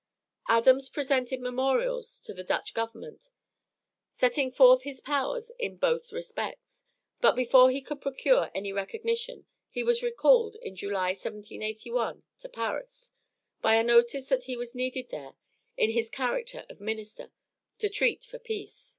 Adams presented memorials to the Dutch government setting forth his powers in both respects; but before he could procure any recognition he was recalled in July, 1781, to Paris, by a notice that he was needed there, in his character of minister, to treat for peace.